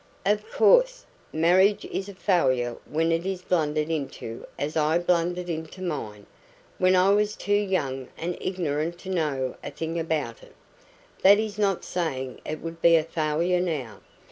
"Of course, marriage is a failure when it is blundered into as I blundered into mine, when I was too young and ignorant to know a thing about it. That is not saying it would be a failure now."